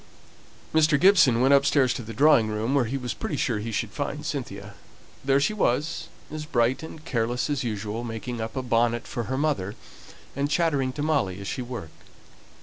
Mr. Gibson went upstairs to the drawing room, where he was pretty sure he should find Cynthia. There she was, as bright and careless as usual, making up a bonnet for her mother, and chattering to Molly as she worked.